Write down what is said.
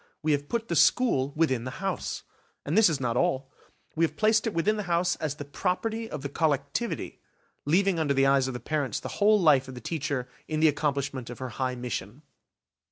We have put the school within the house; and this is not all. We have placed it within the house as the property of the collectivity, leaving under the eyes of the parents the whole life of the teacher in the accomplishment of her high mission.